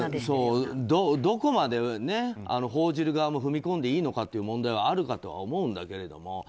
どこまで報じる側も踏み込んでいいのかという問題はあるかと思うんだけども